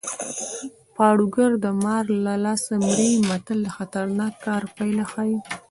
پاړوګر د مار له لاسه مري متل د خطرناک کار پایله ښيي